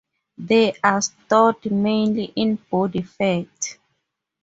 They are stored mainly in body fat.